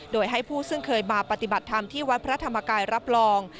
โดยให้ผู้ซึ่งเคยมาปฏิบัติธรรมที่วัดพระธรรมกายรับรอง